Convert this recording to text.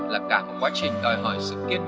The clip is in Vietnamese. là cả một quá trình đòi hỏi sự kiên quyết